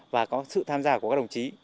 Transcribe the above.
và có sự tham gia của các đồng chí